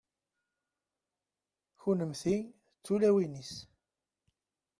kunemti d tulawin-is